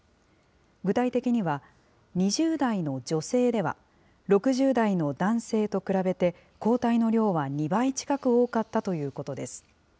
具体的には、２０代の女性では、６０代の男性と比べて、抗体の量は２倍近く多かったということです。